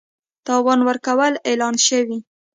د تاوان ورکولو اعلان شوی